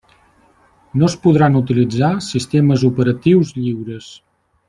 No es podran utilitzar sistemes operatius lliures.